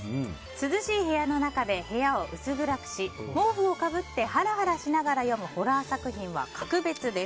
涼しい部屋の中で部屋を薄暗くし毛布をかぶってハラハラしながら読むホラー作品は格別です。